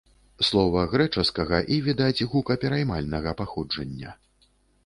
Слова грэчаскага і відаць, гукапераймальнага паходжання.